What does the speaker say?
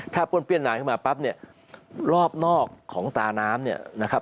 ถ้าป้วนเปรี้ยนนานขึ้นมาปั๊บรอบนอกของตาน้ำ